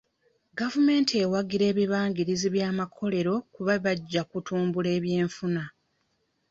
Gavumenti ewagira ebibangirizi by'amakolero kuba bajja kutumbula eby'enfuna.